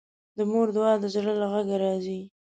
د مور دعا د زړه له غږه راځي